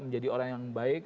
menjadi orang yang baik